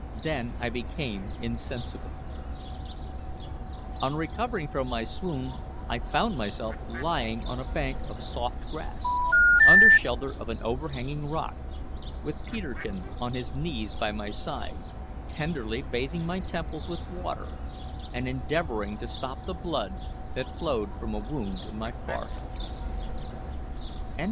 Then I became insensible. On recovering from my swoon I found myself lying on a bank of soft grass, under shelter of an overhanging rock, with Peterkin on his knees by my side, tenderly bathing my temples with water, and endeavouring to stop the blood that flowed from a wound in my forehead.